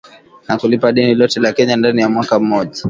na kulipa deni lote la Kenya ndani ya mwaka mmoja